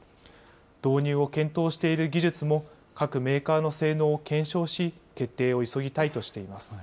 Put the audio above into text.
導入を検討している技術も、各メーカーの性能を検証し、決定を急ぎたいとしています。